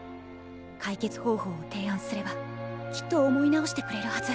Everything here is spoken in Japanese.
解決方法を提案すればきっと思い直してくれるはず。